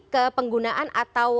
ke penggunaan atau